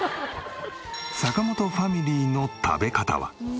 坂本ファミリーの食べ方は。